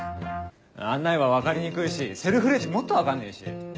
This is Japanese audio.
案内は分かりにくいしセルフレジもっと分かんねえし。